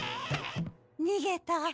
にげた。